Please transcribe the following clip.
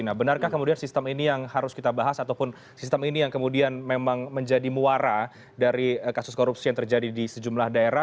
nah benarkah kemudian sistem ini yang harus kita bahas ataupun sistem ini yang kemudian memang menjadi muara dari kasus korupsi yang terjadi di sejumlah daerah